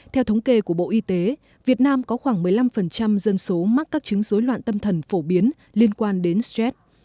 theo thống kê của bộ y tế việt nam có khoảng một mươi năm dân số mắc các chứng dối loạn tâm thần phổ biến liên quan đến stress